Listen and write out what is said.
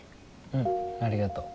うんありがとう。